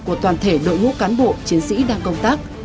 của toàn thể đội ngũ cán bộ chiến sĩ đang công tác